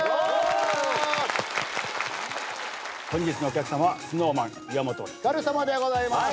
本日のお客さまはＳｎｏｗＭａｎ岩本照さまでございます。